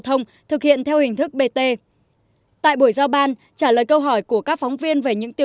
thông thực hiện theo hình thức bt tại buổi giao ban trả lời câu hỏi của các phóng viên về những tiêu